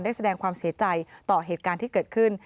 แสดงความเสียใจต่อเหตุการณ์ที่เกิดขึ้น